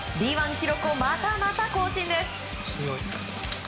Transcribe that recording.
記録をまたまた更新です！